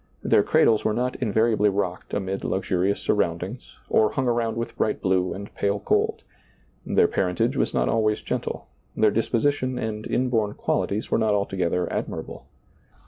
Their cradles were not invariably rocked amid luxurious sur roundings or hung around with bright blue and pale gold ; their parentage was not always gentle, their disposition and inborn qualities were not alto gether admirable.